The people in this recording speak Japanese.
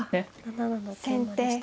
７七桂馬でした。